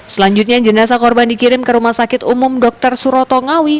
selanjutnya jenazah korban dikirim ke rumah sakit umum dr suroto ngawi